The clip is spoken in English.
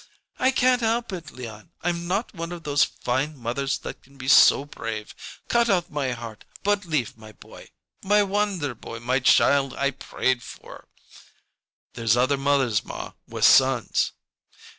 "I can't help it, Leon; I'm not one of those fine mothers that can be so brave. Cut out my heart, but leave my boy! My wonder boy my child I prayed for!" "There's other mothers, ma, with sons!"